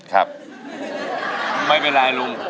ครับไม่เป็นไรลุง